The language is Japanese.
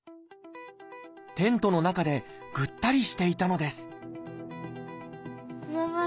テントの中でぐったりしていたのですママ。